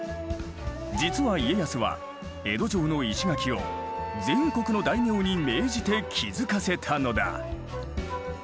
実は家康は江戸城の石垣を全国の大名に命じて築かせたのだ。